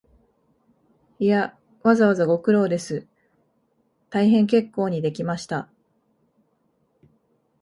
いや、わざわざご苦労です、大変結構にできました